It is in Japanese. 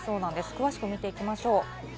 詳しくみていきましょう。